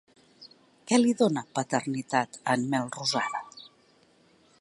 Què li dona paternitat a en Melrosada?